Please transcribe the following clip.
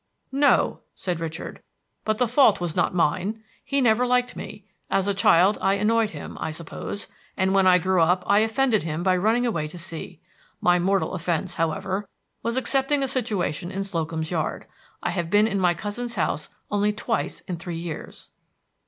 "No," said Richard; "but the fault was not mine. He never liked me. As a child I annoyed him, I suppose, and when I grew up I offended him by running away to sea. My mortal offense, however, was accepting a situation in Slocum's Yard. I have been in my cousin's house only twice in three years."